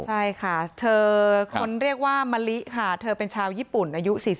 ใช่ค่ะเธอคนเรียกว่ามะลิค่ะเธอเป็นชาวญี่ปุ่นอายุ๔๐